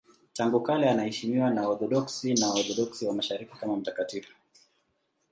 Tangu kale anaheshimiwa na Waorthodoksi na Waorthodoksi wa Mashariki kama mtakatifu.